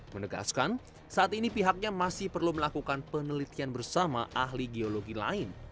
menegaskan saat ini pihaknya masih perlu melakukan penelitian bersama ahli geologi lain